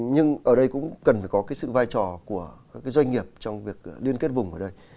nhưng ở đây cũng cần phải có cái sự vai trò của các cái doanh nghiệp trong việc liên kết vùng ở đây